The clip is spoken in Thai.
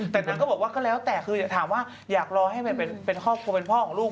แต่นั้นก็บอกว่าก็แล้วแต่ถามว่าอยากรอให้เป็นพ่อของลูก